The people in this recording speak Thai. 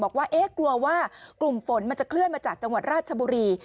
บอกว่าเอ๊ะกลัวว่ากลุ่มฝนมันจะเคลื่อนมาจากจังหวัดราชบุรี